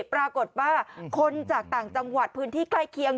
ปรากฏว่าคนจากต่างจังหวัดพื้นที่ใกล้เคียง